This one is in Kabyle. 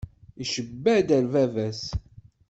Yecba-d ar bab-as.